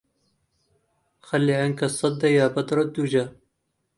خل عنك الصد يا بدر الدجى